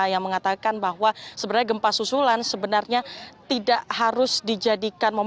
yang mengatakan bahwa sebenarnya gempa susulan sebenarnya tidak harus dijadikan